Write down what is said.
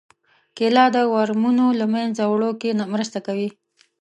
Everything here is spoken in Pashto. کېله د ورمونو له منځه وړو کې مرسته کوي.